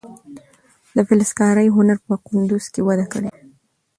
د فلزکارۍ هنر په کندز کې وده کړې ده.